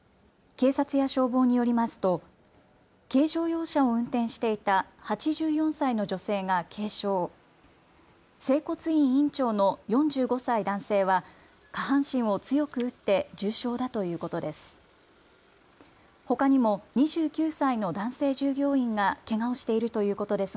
警察や消防によりますと軽乗用車を運転していた８４歳の女性が軽傷、整骨院院長の４５歳男性は下半身を強く打って重傷だということです。